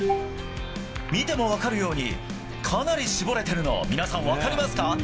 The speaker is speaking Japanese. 見ても分かるようにかなり絞れているの皆さん、分かりますか？